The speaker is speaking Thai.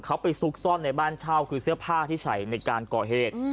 เขาไปซุกซ่อนในบ้านเช่าคือเสื้อผ้าที่ใส่ในการก่อเหตุ